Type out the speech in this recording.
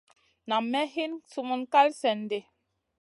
Nam may hin summun kal slèn di.